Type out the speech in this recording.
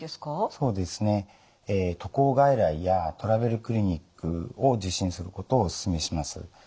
そうですね渡航外来やトラベルクリニックを受診することをお勧めします。